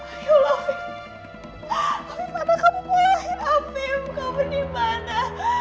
bagaimana kamu boleh lahir fim kamu dimana